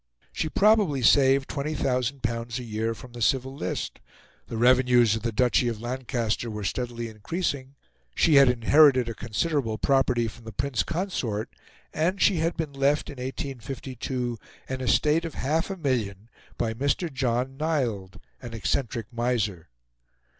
She probably saved L20,000 a year from the Civil List, the revenues of the Duchy of Lancaster were steadily increasing, she had inherited a considerable property from the Prince Consort, and she had been left, in 1852, an estate of half a million by Mr. John Neild, an eccentric miser.